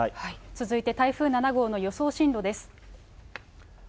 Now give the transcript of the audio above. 続いて台風７号の予想進路です。